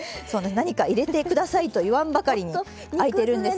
何か入れて下さいと言わんばかりにあいてるんです。